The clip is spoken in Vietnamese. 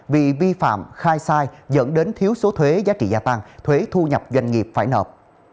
vì vi phạm khai sai dẫn đến thiếu số thuế giá trị gia tăng thuế thu nhập doanh nghiệp phải nợ